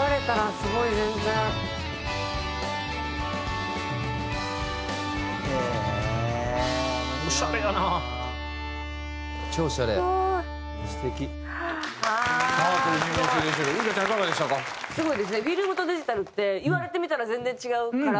すごいですねフィルムとデジタルって言われてみたら全然違うから。